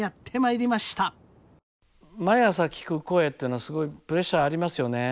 毎朝聞く声っていうのはすごいプレッシャーありますよね。